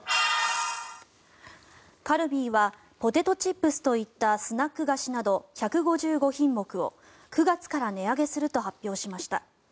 カルビーはポテトチップスといったスナック菓子など１５５品目を９月から値上げすると発表しました。